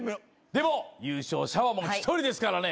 でも優勝者は１人ですからね。